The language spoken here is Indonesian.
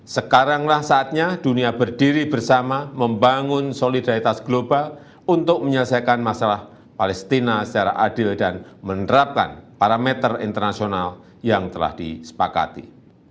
sekaranglah saatnya dunia berdiri bersama membangun solidaritas global untuk menyelesaikan masalah palestina secara adil dan menerapkan parameter internasional yang telah disepakati